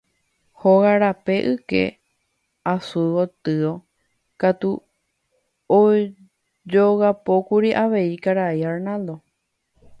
Hóga rape yke asu gotyo katu ojogapókuri avei karai Arnaldo.